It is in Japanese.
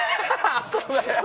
そっちか！